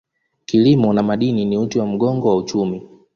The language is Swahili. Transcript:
Kilimo na madini ni uti wa mgongo wa uchumi.